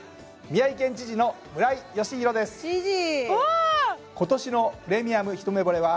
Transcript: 宮城県知事の村井嘉浩です知事！